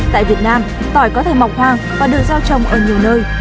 tại việt nam tỏi có thể mọc hoang và được giao trồng ở nhiều nơi